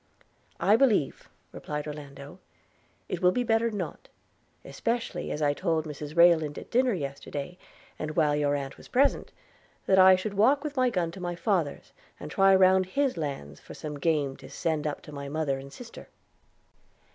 'I believe,' replied Orlando, 'it will be better not; especially as I told Mrs Rayland at dinner yesterday, and while your aunt was present, that I should walk with my gun to my father's, and try round his lands for some game to send up to my mother and sister.'